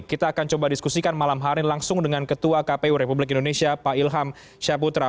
kita akan coba diskusikan malam hari langsung dengan ketua kpu republik indonesia pak ilham syaputra